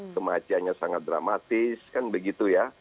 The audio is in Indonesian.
kematiannya sangat dramatis kan begitu ya